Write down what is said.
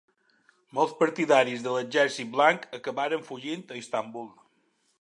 Molts partidaris de l'Exèrcit Blanc acabaren fugint a Istanbul.